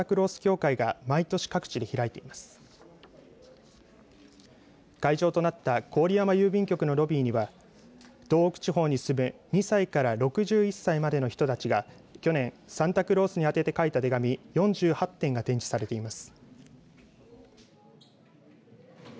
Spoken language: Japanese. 会場となった郡山郵便局のロビーには東北地方に住む２歳から６１歳までの人たちが去年サンタクロースに宛てて書いた手紙４８点が展示されています。